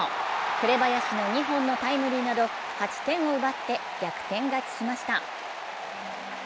紅林の２本のタイムリーなど８点を奪って逆転勝ちしました。